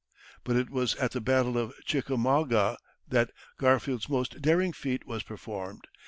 But it was at the battle of Chickamauga that Garfield's most daring feat was performed.